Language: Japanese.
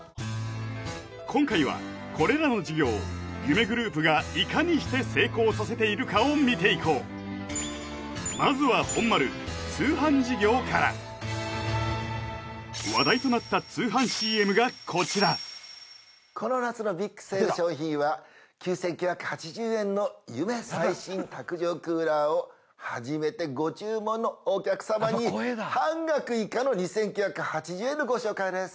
今回はこれらの事業を夢グループがいかにして成功させているかを見ていこうまずは本丸通販事業からこの夏のビッグセールの商品は９９８０円の夢最新卓上クーラーを初めてご注文のお客様に半額以下の２９８０円のご紹介です